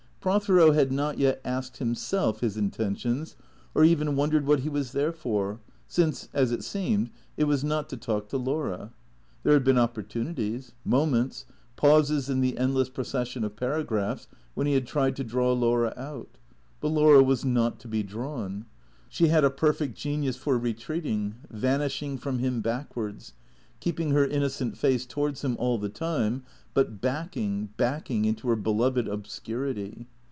Prothero had not yet asked himself his intentions or even wondered what he was there for, since, as it seemed, it was not to talk to Laura. There had been opportunities, moments, pauses in the endless procession of paragraphs, when he had tried to draw Laura out; but Laura was not to be drawn. She had a perfect genius for retreating, vanishing from him back wards, keeping her innocent face towards him all the time, but backing, backing into her beloved obscurity.